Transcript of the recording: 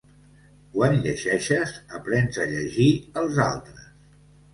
Quan llegeixes, aprens a llegir els altres.